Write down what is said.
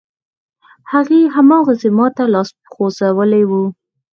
هغې، هماغسې ماته لاس غځولی و.